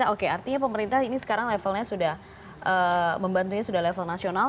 oke artinya pemerintah ini sekarang levelnya sudah membantunya sudah level nasional